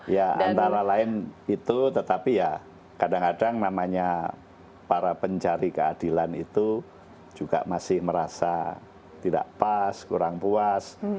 ya antara lain itu tetapi ya kadang kadang namanya para pencari keadilan itu juga masih merasa tidak pas kurang puas